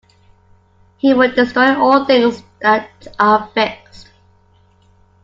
He would destroy all things that are fixed.